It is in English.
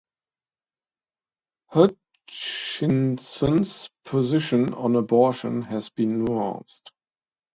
Hutchison's position on abortion has been nuanced.